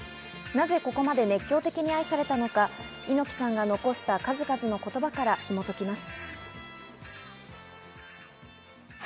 なぜここまで熱狂的に愛されたのか、猪木さんが残した数々の言葉から紐解きます。